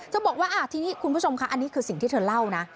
บอกว่าทีนี้คุณผู้ชมค่ะอันนี้คือสิ่งที่เธอเล่านะ